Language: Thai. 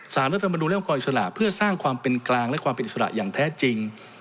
รัฐมนุนและองครอิสระเพื่อสร้างความเป็นกลางและความเป็นอิสระอย่างแท้จริง